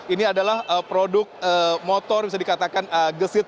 ini adalah produk motor bisa dikatakan gesit